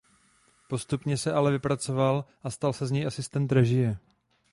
Postupně se ale vypracoval a stal se z něj asistent režie.